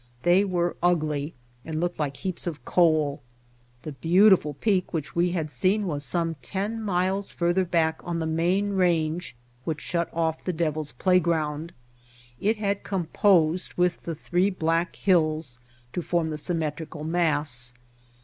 They were ugly and looked like heaps of coal. The beautiful peak which we had seen was some ten miles further back on the main range which shut off the Devil's Play ground. It had composed with the three black hills to form the symmetrical mass.